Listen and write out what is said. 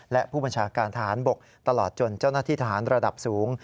และผู้บัญชาการทหารบกตลอดจนเจ้าหน้าที่ทหารระดับสูง